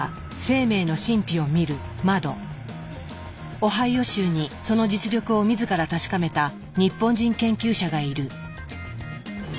オハイオ州にその実力を自ら確かめた日本人研究者がいる。